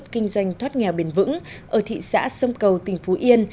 kinh doanh thoát nghèo bền vững ở thị xã sông cầu tỉnh phú yên